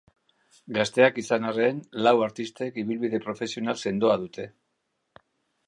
Gazteak izan arren, lau artistek ibilbide profesional sendoa dute.